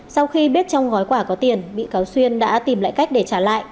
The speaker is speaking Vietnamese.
sau khi biết trong gói quả có tiền bị cáo xuyên đã tìm lại cách để trả lại